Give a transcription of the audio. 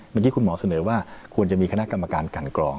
เมื่อกี้คุณหมอเสนอว่าควรจะมีคณะกรรมการกันกรอง